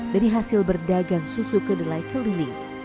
dari hasil berdagang susu kedelai keliling